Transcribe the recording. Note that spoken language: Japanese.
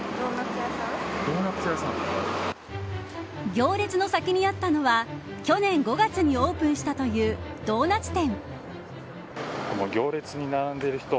行列の先にあったのは去年５月にオープンしたというドーナツ店。